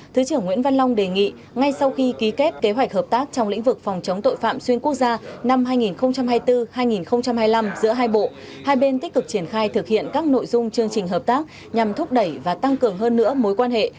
thứ trưởng nguyễn văn long đề nghị ngay sau khi ký kết kế hoạch hợp tác trong lĩnh vực phòng chống tội phạm xuyên quốc gia năm hai nghìn hai mươi bốn hai nghìn hai mươi năm giữa hai bộ hai bên tích cực triển khai thực hiện các nội dung chương trình hợp tác nhằm thúc đẩy và tăng cường hơn nữa mối quan hệ